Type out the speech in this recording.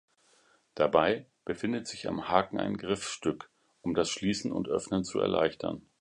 Dabei befindet sich am Haken ein Griffstück, um das Schließen und Öffnen zu erleichtern.